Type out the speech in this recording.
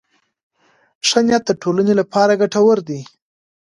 ښه نیت د ټولنې لپاره ګټور دی.